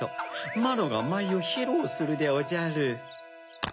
まろがまいをひろうするでおじゃる。